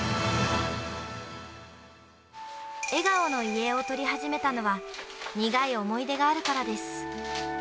笑顔の遺影を撮り始めたのは、苦い思い出があるからです。